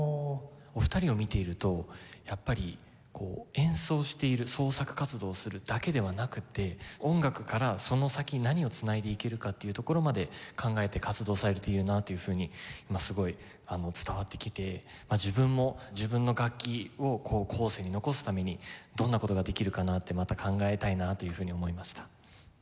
お二人を見ているとやっぱりこう演奏している創作活動をするだけではなくて音楽からその先何を繋いでいけるかっていうところまで考えて活動されているなというふうにすごい伝わってきて自分も自分の楽器を後世に残すためにどんな事ができるかなってまた考えたいなというふうに思いました。